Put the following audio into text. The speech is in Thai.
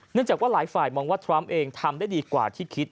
จากว่าหลายฝ่ายมองว่าทรัมป์เองทำได้ดีกว่าที่คิด